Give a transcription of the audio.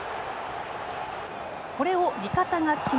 これを味方が決め